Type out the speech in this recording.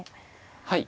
はい。